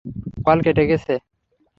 Call কেটে গেছে।